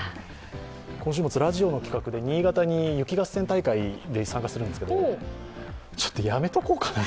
今週末、ラジオの企画で新潟に雪合戦大会に参加するんですけどちょっとやめておこうかなと。